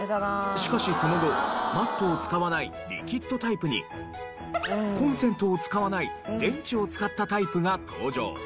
しかしその後マットを使わないリキッドタイプにコンセントを使わない電池を使ったタイプが登場。